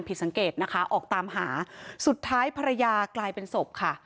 ผิดสังเกตนะคะออกตามหาสุดท้ายภรรยากลายเป็นศพค่ะ